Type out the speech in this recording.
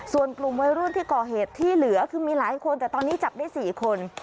ส่วนกลุ่มวัยรุ่นที่ก่อเหตุที่เหลือคือมีหลายคนแต่ตอนนี้จับได้๔คน